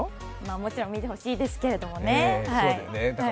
もちろん見てほしいですけどもね。